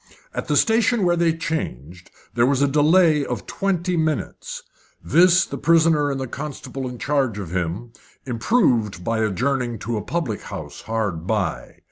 At the station where they changed there was a delay of twenty minutes. This the prisoner and the constable in charge of him improved by adjourning to a public house hard by.